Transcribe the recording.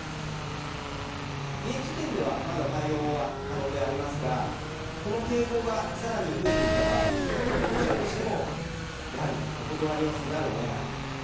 現時点では、まだ対応は可能でありますが、この傾向がさらに増えていった場合、当社としても、やはりお断りをせざるをえない。